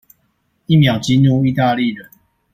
一秒激怒義大利人